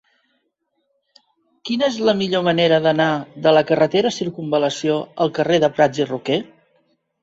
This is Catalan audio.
Quina és la millor manera d'anar de la carretera Circumval·lació al carrer de Prats i Roquer?